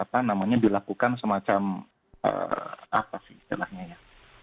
tapi mungkin memang apa namanya dilakukan semacam apa sih istilahnya ya